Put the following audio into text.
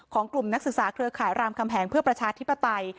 กลุ่มนักศึกษาเครือข่ายรามคำแหงเพื่อประชาธิปไตย